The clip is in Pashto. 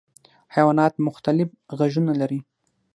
حیوانات مختلف غږونه لري.